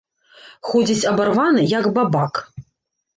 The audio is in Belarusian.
Ходзіць абарваны, як бабак.